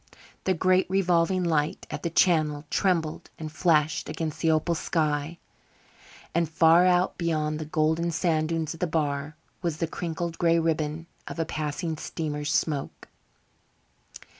The great revolving light at the channel trembled and flashed against the opal sky, and far out, beyond the golden sand dunes of the bar, was the crinkled gray ribbon of a passing steamer's smoke.